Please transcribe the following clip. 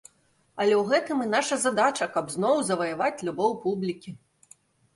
Але ў гэтым і наша задача, каб зноў заваяваць любоў публікі.